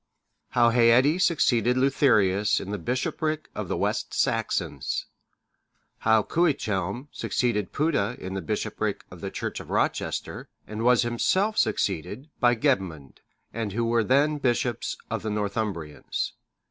How Haedde succeeded Leutherius in the bishopric of the West Saxons; how Cuichelm succeeded Putta in the bishopric of the church of Rochester, and was himself succeeded by Gebmund; and who were then bishops of the Northumbrians.